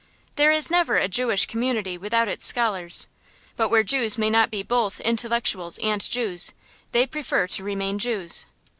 There is never a Jewish community without its scholars, but where Jews may not be both intellectuals and Jews, they prefer to remain Jews.